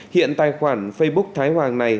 hiện tài khoản facebook thái hoàng này